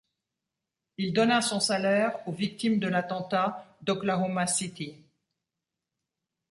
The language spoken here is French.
Il donna son salaire aux victimes de l'attentat d'Oklahoma City.